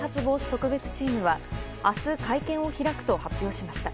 特別チームは明日、会見を開くと発表しました。